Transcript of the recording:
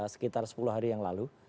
sekitar sepuluh hari yang lalu